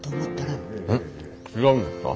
え違うんですか？